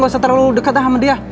gak usah terlalu dekat lah sama dia